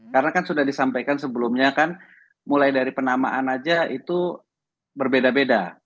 karena kan sudah disampaikan sebelumnya kan mulai dari penamaan aja itu berbeda beda